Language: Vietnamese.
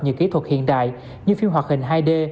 nhiều kỹ thuật hiện đại như phim hoạt hình hai d